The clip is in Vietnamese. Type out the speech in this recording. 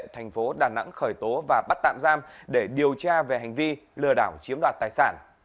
thành phố đà nẵng khởi tố và bắt tạm giam để điều tra về hành vi lừa đảo chiếm đoạt tài sản